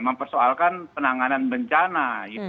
mempersoalkan penanganan bencana